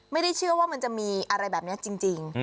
เชื่อว่ามันจะมีอะไรแบบนี้จริง